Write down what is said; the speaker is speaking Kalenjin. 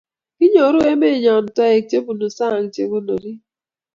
Kinyoru emenyo toek chebunu saang' che konoriik.